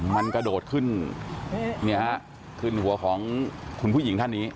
มันกระโดดขึ้นนี่ค่ะขึ้นหัวของคุณผู้หญิงท่านนี้